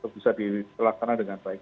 bisa dilaksanakan dengan baik